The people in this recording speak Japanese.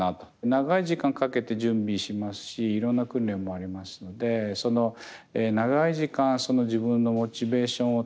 長い時間かけて準備しますしいろんな訓練もありますのでその長い時間自分のモチベーションを保っていくっていうのが意外に大変で。